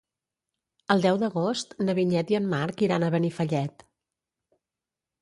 El deu d'agost na Vinyet i en Marc iran a Benifallet.